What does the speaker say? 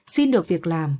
xin được việc làm